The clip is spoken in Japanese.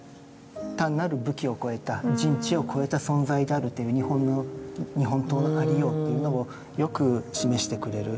単なる武器を超えた人知を超えた存在であるという日本刀の有りようというのをよく示してくれる。